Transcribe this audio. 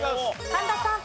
神田さん。